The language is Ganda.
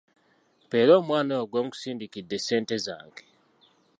Mpeera omwana oyo gwe nkusindikidde ssente zange.